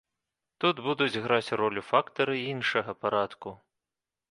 Тут будуць граць ролю фактары іншага парадку.